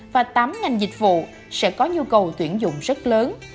và tám ngành dịch vụ sẽ có nhu cầu tuyển dụng rất lớn